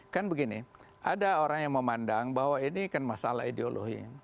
kan begini ada orang yang memandang bahwa ini kan masalah ideologi